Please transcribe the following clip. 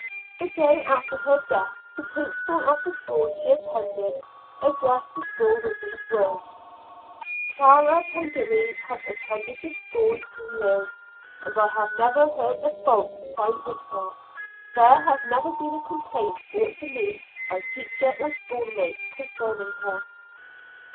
The day after her death, the principal of the school she attended addressed the school with these words "Clara Pengilly has attended this school two years, and I have never heard a fault found with her; there has never been a complaint brought to me by teacher or schoolmates concerning her."